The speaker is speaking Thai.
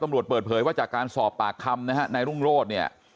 ตำรวจเปิดเผยว่าจากการสอบปากคำนะฮะในรุ่งโลศเนี่ย